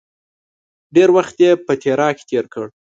ډېر وخت یې په تیراه کې تېر کړ.